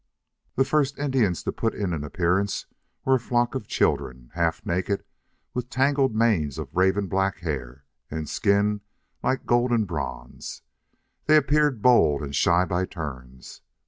The first Indians to put in an appearance were a flock of children, half naked, with tangled manes of raven black hair and skin like gold bronze. They appeared bold and shy by turns.